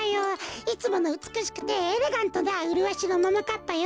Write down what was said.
いつものうつくしくてエレガントなうるわしのももかっぱよ。